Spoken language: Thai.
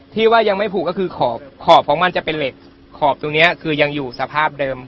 ที่ว่ายังไม่ผูกก็คือขอขอบของมันจะเป็นเหล็กขอบตรงนี้คือยังอยู่สภาพเดิม